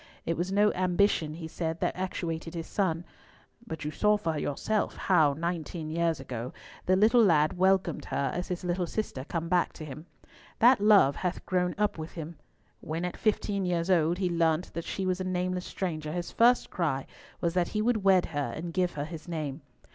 It was no ambition, he said, that actuated his son, "But you saw yourself how, nineteen years ago, the little lad welcomed her as his little sister come back to him. That love hath grown up with him. When, at fifteen years old, he learnt that she was a nameless stranger, his first cry was that he would wed her and give her his name.